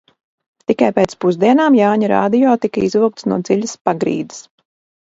"Tikai pēc pusdienām Jāņa radio tika izvilkts no dziļas "pagrīdes"."